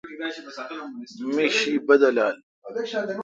می شی بدلال ۔